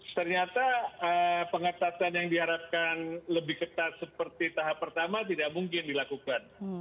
ternyata pengetatan yang diharapkan lebih ketat seperti tahap pertama tidak mungkin dilakukan